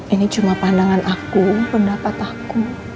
ini cuma pandangan aku pendapat aku